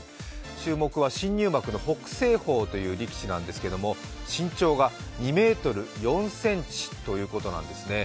注目は新入幕の北青鵬という力士なんですけれども身長が２ｍ４ｃｍということなんですね。